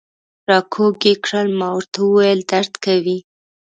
را کږ یې کړل، ما ورته وویل: درد کوي.